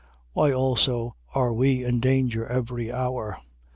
Why also are we in danger every hour?